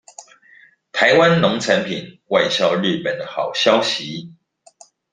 臺灣農產品外銷日本的好消息